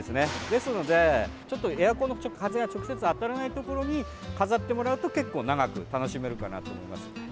ですので、ちょっとエアコンの風が直接当たらないところに飾ってもらうと結構長く楽しめるかなと思います。